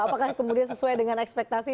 apakah kemudian sesuai dengan ekspektasi